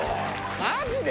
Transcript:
マジで？